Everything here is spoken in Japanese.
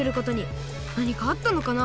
なにかあったのかな？